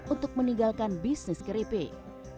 untuk meninggalkan bisnis keripik